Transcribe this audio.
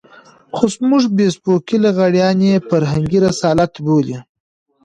خو زموږ فېسبوکي لغړيان يې فرهنګي رسالت بولي.